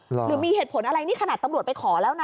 หรือมีเหตุผลอะไรนี่ขนาดตำรวจไปขอแล้วนะ